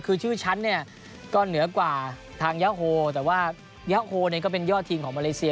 คือชื่อฉันเนี่ยก็เหนือกว่าทางยาโฮแต่ว่ายาโฮเนี่ยก็เป็นยอดทีมของมาเลเซีย